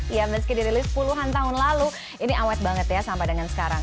ya meski dirilis puluhan tahun lalu ini awet banget ya sampai dengan sekarang